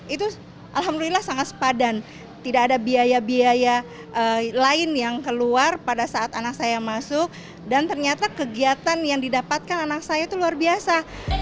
itu alhamdulillah sangat sepadan tidak ada biaya biaya lain yang keluar pada saat anak saya masuk dan ternyata kegiatan yang didapatkan anak saya itu luar biasa